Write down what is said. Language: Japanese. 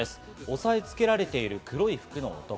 押さえ付けられている黒い服の男。